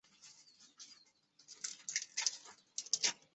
伯夫龙河畔康代。